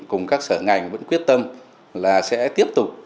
cùng các sở ngành vẫn quyết tâm là sẽ tiếp tục